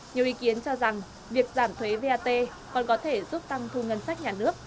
nhiều ý kiến cho rằng việc giảm thuế vat còn có thể giúp tăng thu ngân sách nhà nước